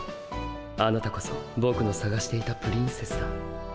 あなたこそぼくのさがしていたプリンセスだ。